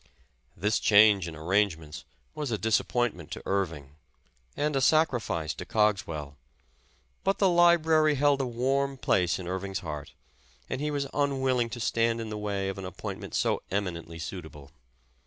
This change in arrangements was a disappointment to Irving, and a sacrifice to Cogswell, but the library held a warm place in Irving 's heart, and he was unwill ing to stand in the way of an appointment so eminent ly suitable.